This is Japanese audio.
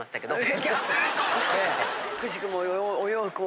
奇しくも。